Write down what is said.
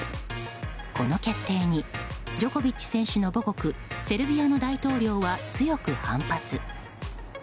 この決定にジョコビッチ選手の母国セルビアの大統領は強く反発。